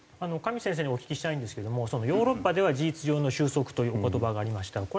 上先生にお聞きしたいんですけども「ヨーロッパでは事実上の収束」というお言葉がありました。